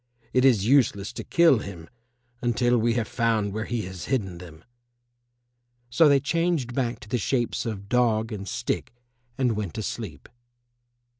It is useless to kill him until we have found where he has hidden them." So they changed back to the shapes of dog and stick and went to sleep.